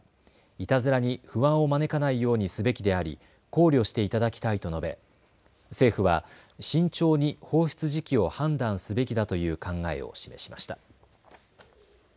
いたずらに不安を招かないようにすべきであり考慮していただきたいと述べ政府は慎重に放出時期を判断すべきだという考えを示しました。